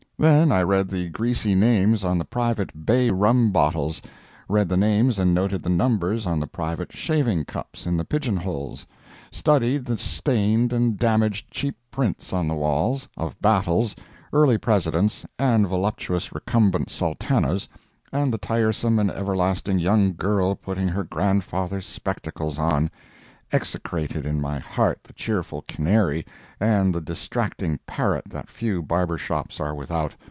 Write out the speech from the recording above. Then I read the greasy names on the private bay rum bottles; read the names and noted the numbers on the private shaving cups in the pigeon holes; studied the stained and damaged cheap prints on the walls, of battles, early Presidents, and voluptuous, recumbent sultanas, and the tiresome and ever lasting young girl putting her grandfather's spectacles on; execrated in my heart the cheerful canary and the distracting parrot that few barber shops are without.